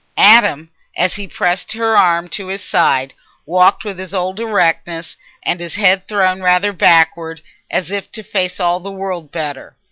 Adam, as he pressed her arm to his side, walked with his old erectness and his head thrown rather backward as if to face all the world better.